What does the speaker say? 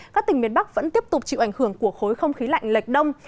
các tỉnh miền bắc vẫn tiếp tục chịu ảnh hưởng của khối không khí lạnh lệch đông